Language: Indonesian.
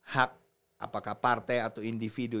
hak apakah partai atau individu